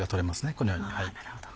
このように。